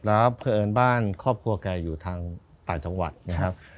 แล้วเพราะเอิญบ้านครอบครัวแกอยู่ทางต่างจังหวัดนะครับ